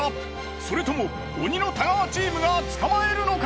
それとも鬼の太川チームが捕まえるのか？